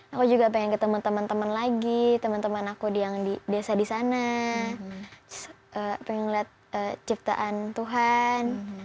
aku juga pengen ke teman teman teman lagi teman teman aku yang biasa di sana pengen lihat ciptaan tuhan